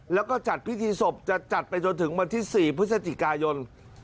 แล้วก็จัดพิธีศพจะจัดไปจนถึงวันที่๔พฤศจิกายน